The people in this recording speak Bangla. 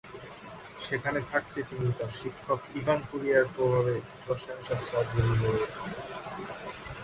সেখানে থাকতে তিনি তার শিক্ষক ইভান কুরিয়ার প্রভাবে রসায়ন শাস্ত্রে আগ্রহী হয়ে ওঠেন।